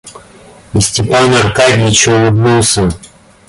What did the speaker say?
И Степан Аркадьич улыбнулся.